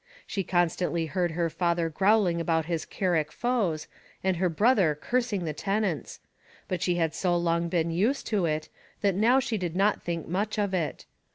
She constantly heard her father growling about his Carrick foes, and her brother cursing the tenants; but she had so long been used to it, that now she did not think much of it.